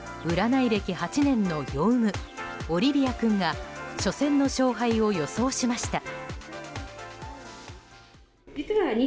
占い歴８年のヨウムオリビア君が初戦の勝敗を予想しました。